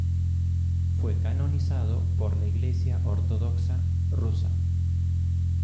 Fue canonizado por la Iglesia Ortodoxa Rusa.